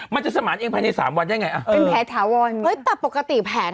มันจะสมานเองไปในสามวันได้ไงเป็นแผลถาวนแต่ปกติแผลถ้าหลอก